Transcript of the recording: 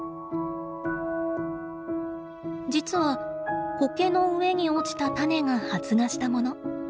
実はコケの上に落ちた種が発芽したもの。